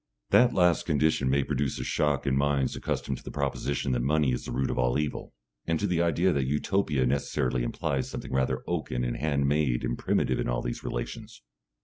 That last condition may produce a shock in minds accustomed to the proposition that money is the root of all evil, and to the idea that Utopia necessarily implies something rather oaken and hand made and primitive in all these relations.